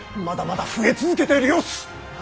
まだまだ増え続けている様子。